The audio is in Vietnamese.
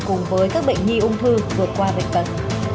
cùng với các bệnh nhi ung thư vượt qua bệnh tật